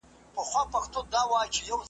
ته د ورکو حورو یار یې له غلمان سره همزولی ,